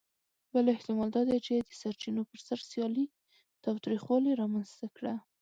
بل احتمال دا دی، چې د سرچینو پر سر سیالي تاوتریخوالي رامنځ ته کړه.